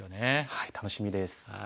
はい楽しみです。